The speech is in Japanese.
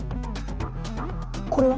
これは？